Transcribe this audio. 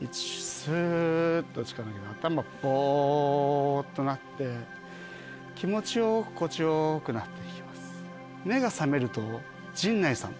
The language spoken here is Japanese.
すっと力抜けて頭ぼっとなって気持ちよく心地よくなっていきます。